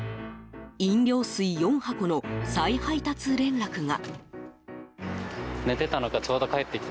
飲料水４箱の再配達連絡が。